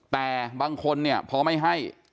แต่บางคนเนี่ยพอไม่ให้